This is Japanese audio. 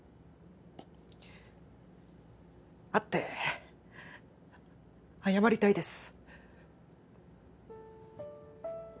会って謝りたいです